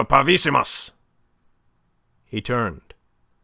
Parvissimus!" He turned.